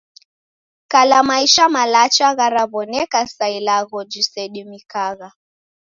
Kala maisha malacha gharaw'oneka sa ilagho jisedimikagha.